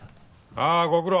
ああご苦労。